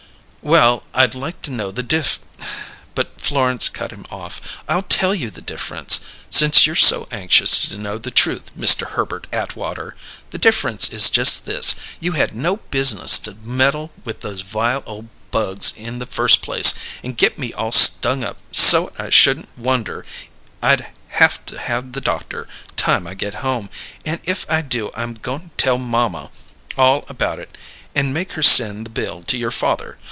"Well, I'd like to know the dif " But Florence cut him off. "I'll tell you the difference, since you're so anxious to know the truth, Mister Herbert Atwater! The difference is just this: you had no biznuss to meddle with those vile ole bugs in the first place, and get me all stung up so't I shouldn't wonder I'd haf to have the doctor, time I get home, and if I do I'm goin' to tell mamma all about it and make her send the bill to your father.